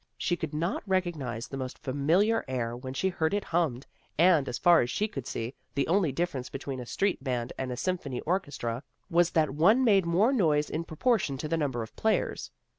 She could not recognize the most familiar air when she heard it hummed, and, as far as she could see, the only difference between a street band and a symphony orchestra was that one made more noise in proportion to the number of players.